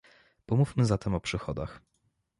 Pomówmy zatem o przychodach